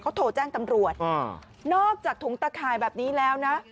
เขาโทรแจ้งตำรวจนอกจากถุงตะข่ายแบบนี้แล้วนะ